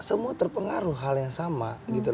semua terpengaruh hal yang sama